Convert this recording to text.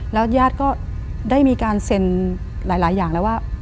แล้วญาติก็ได้มีการเซ็นหลายอย่างแล้วว่า